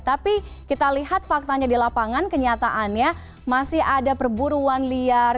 tapi kita lihat faktanya di lapangan kenyataannya masih ada perburuan liar